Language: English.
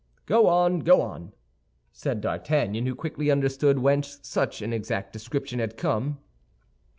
"Go on, go on!" said D'Artagnan, who quickly understood whence such an exact description had come.